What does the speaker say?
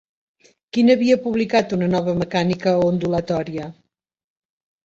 Quin havia publicat una nova mecànica ondulatòria?